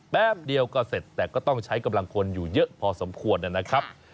แป๊บเดียวก็เสร็จแต่ก็ต้องใช้กำลังคนอยู่เยอะพอสมควรนะครับ